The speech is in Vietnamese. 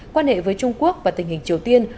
quan hệ với trung quốc và tình hình triều tiên